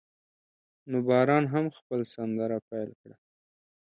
نو باران هم خپل سندره پیل کړه.